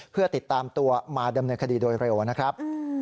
เพื่อติดตามตัวมาดำเนินคดีโดยเร็วนะครับ